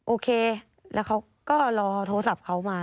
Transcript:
โอเคแล้วเขาก็รอโทรศัพท์เขามา